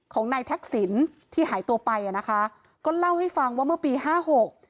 ของนายทักษิณที่หายตัวไปอ่ะนะคะก็เล่าให้ฟังว่าเมื่อปีห้าหก